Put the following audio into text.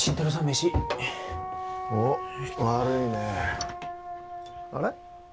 飯おッ悪いねえあれ？